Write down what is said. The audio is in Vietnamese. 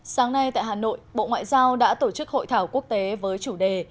sáng nay tại hà nội bộ ngoại giao đã tổ chức hội thảo quốc tế với chủ đề